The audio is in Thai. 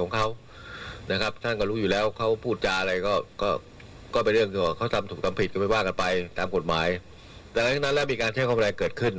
นายกพูดอะไรต่อฟังเลยค่ะ